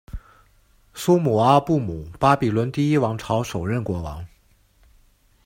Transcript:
苏姆阿布姆巴比伦第一王朝首任国王。